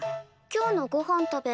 今日のごはんたべ